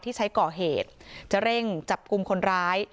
ที่ใช้ก่อเหตุจะเร่งจับกลุ่มคนร้าย